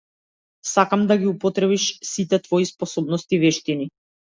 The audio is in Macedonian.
Сакам да ги употребиш сите твои способности и вештини.